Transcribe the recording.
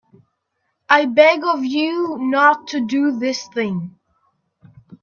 I beg of you not to do this thing.